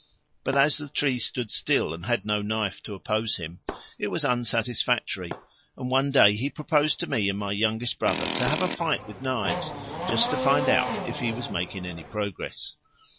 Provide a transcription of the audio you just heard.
But as the tree stood still and had no knife to oppose him, it was unsatisfactory, and one day he proposed to me and my younger brother to have a fight with knives, just to find out if he was making any progress.